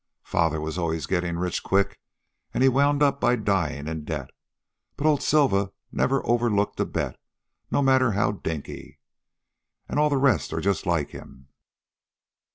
Father was always gettin' rich quick, an' he wound up by dyin' in debt. But old Silva never overlooked a bet, no matter how dinky. An' all the rest are just like him.